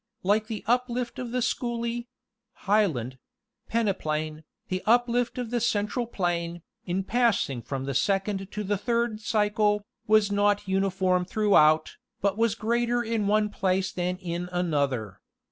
Like the uplift of the Schooley (Highland) peneplain, the uplift of the Central plain, in passing from the second to the third cycle, was not uniform throughout, but was greater in one place than in another.